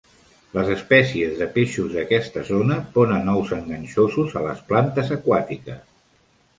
Les espècies de peixos d'aquesta zona ponen ous enganxosos a les plantes aquàtiques.